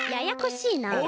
ややこしいな。